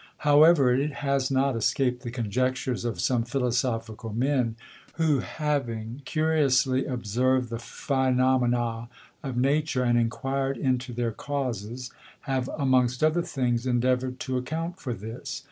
However, it has not escap'd the Conjectures of some Philosophical Men, who having curiously observ'd the Phænomena of Nature, and enquired into their Causes, have, amongst other things, endeavour'd to account for this.